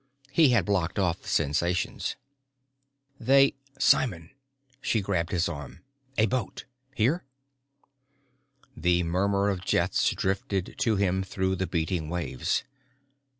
He had blocked off the sensations. "They Simon!" She grabbed his arm. "A boat hear?" The murmur of jets drifted to him through the beating waves.